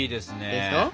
でしょ？